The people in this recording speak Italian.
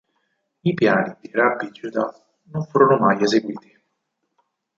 I piani di Rabbi Judah non furono mai eseguiti.